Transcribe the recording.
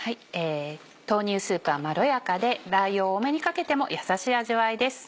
豆乳スープはまろやかでラー油を多めにかけても優しい味わいです。